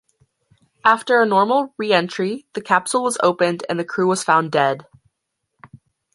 After a normal re-entry, the capsule was opened and the crew was found dead.